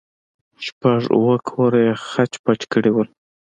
شپږ اوه کوره يې خچ پچ کړي وو.